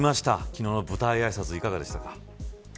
昨日の舞台あいさついかがでしたか。